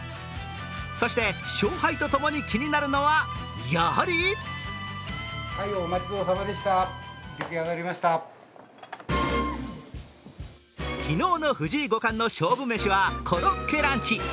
そして勝敗とともに気になるのはやはり昨日の藤井五冠の勝負メシはコロッケランチ。